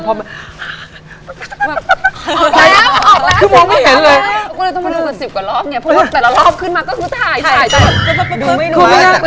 ตอนนี้นะครับ